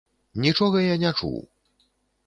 Нічога я не чуў.